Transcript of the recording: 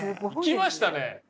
行きましたね。